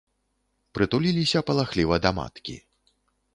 Прытуліліся палахліва да маткі.